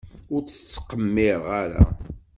Ur tt-ttqemmireɣ ara.